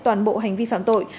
toàn bộ hành vi phạm tội